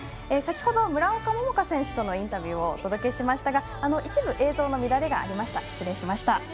先ほど村岡桃佳選手のインタビューをお伝えしましたが一部、映像の乱れがありました。